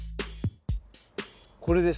これです。